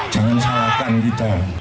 jangan salahkan kita